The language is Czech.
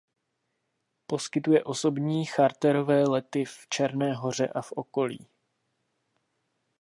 Poskytuje osobní charterové lety v Černé Hoře a v okolí.